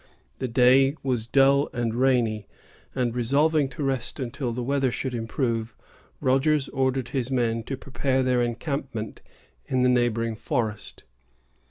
The day was dull and rainy, and, resolving to rest until the weather should improve, Rogers ordered his men to prepare their encampment in the neighboring forest.